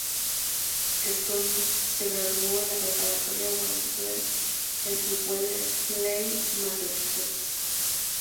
Stone se graduó de La Preparatoria Wellesley en Wellesley, Massachusetts.